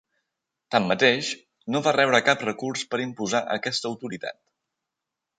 Tanmateix, no va rebre cap recurs per imposar aquesta autoritat.